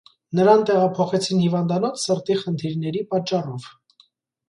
Նրան տեղափոխեցին հիվանդանոց սրտի խնդիրների պատճառով։